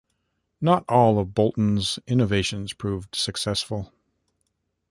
Not all of Boulton's innovations proved successful.